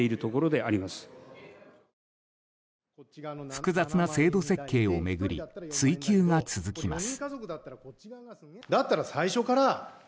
複雑な制度設計を巡り追及が続きます。